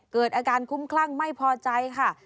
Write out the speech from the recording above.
เกิดอาการคุ้มคลั่งไม่พอใจค่ะ